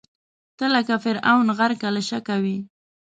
ته لکه فرعون، غرقه له شکه وې